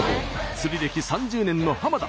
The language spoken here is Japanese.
釣り歴３０年の田。